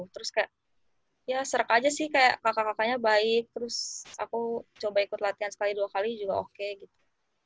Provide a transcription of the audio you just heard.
terus kayak ya serek aja sih kayak kakak kakaknya baik terus aku coba ikut latihan sekali dua kali juga oke gitu